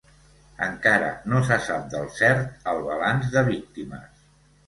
Encara no se sap del cert el balanç de víctimes.